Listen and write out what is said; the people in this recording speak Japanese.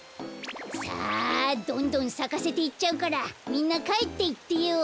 さあどんどんさかせていっちゃうからみんなかえっていってよ。